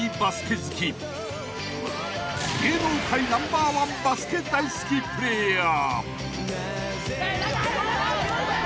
［芸能界ナンバーワンバスケ大好きプレーヤー］